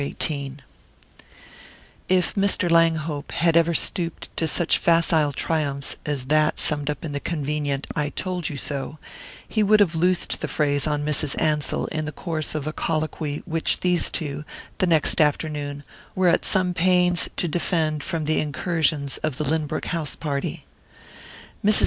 XVIII IF Mr. Langhope had ever stooped to such facile triumphs as that summed up in the convenient "I told you so," he would have loosed the phrase on Mrs. Ansell in the course of a colloquy which these two, the next afternoon, were at some pains to defend from the incursions of the Lynbrook house party. Mrs.